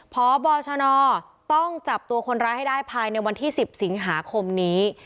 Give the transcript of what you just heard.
พบชนต้องจับตัวคนร้ายให้ได้ภายในวันที่๑๐สิงหาคมนี้